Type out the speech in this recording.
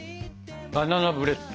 バナナブレッド。